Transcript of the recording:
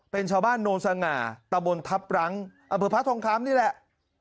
เป็นชาวบ้านโนสง่าตะบนทัพรั้งอำเภอพระทองคำนี่แหละ